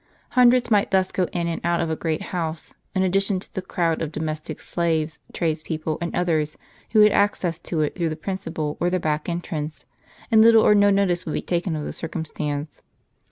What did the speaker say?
Hundreds might thus go in and out of a great house, in addition to the crowd of domestic slaves, tradespeople and others who had access to it, through the principal or the back entrance, and little or no notice would be taken of the circumstance.